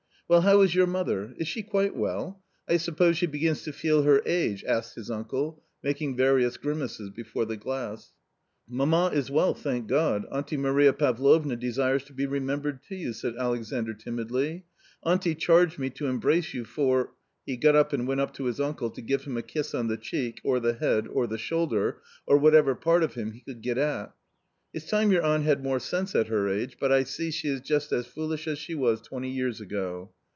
"Well, how is your mother? Is she quite well? I suppose she begins to feel her age?" asked his uncle, making various grimaces before the glass. " Mamma is well thank God, Auntie Maria Pavlovna desires to be remembered to you," said Alexandr timidly. " Auntie charged me to embrace you for " He got up and went up to his uncle, to give him a kiss on the cheek, or the head, or the shoulder, or whatever part of him he could get at. " It's time your aunt had more sense at her age, but I see she is just as foolish as she was twenty years ago."